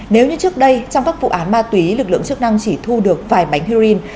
nếu như trước đây trong các vụ án ma túy lực lượng chức năng chỉ thu được vài bánh heroin